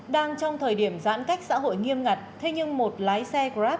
đang trong thời điểm giãn cách xã hội nghiêm ngặt thế nhưng một lái xe grab